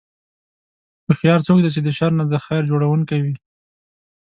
هوښیار څوک دی چې د شر نه د خیر جوړوونکی وي.